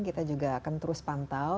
kita juga akan terus pantau